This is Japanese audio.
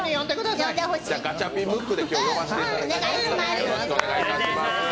今日はガチャピン、ムックで呼ばせていただきます。